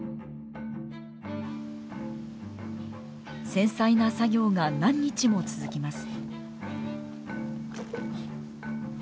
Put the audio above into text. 繊細な作業が何日も続きます。